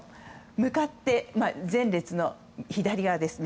向かって、前列の左側です。